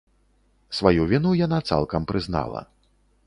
Сваю віну яна цалкам прызнала.